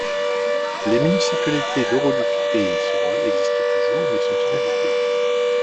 Les municipalités d'Oroluk et Sorol existent toujours mais sont inhabitées.